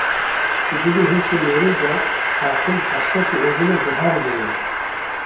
Di dil û heşê meriv de her tim hesret û evîna biharê heye